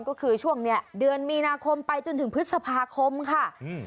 ก็คือช่วงเนี้ยเดือนมีนาคมไปจนถึงพฤษภาคมค่ะอืม